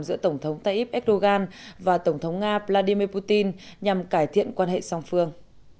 giữa tổng thống tayyip erdogan và tổng thống nga vladimir putin nhằm cải thiện quan hệ song phương